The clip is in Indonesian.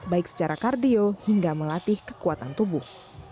baik secara kardio hingga melatih kekuatan tubuh